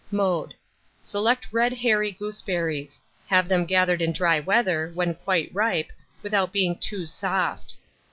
Mode. Select red hairy gooseberries; have them gathered in dry weather, when quite ripe, without being too soft.